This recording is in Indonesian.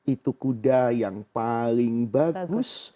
itu kuda yang paling bagus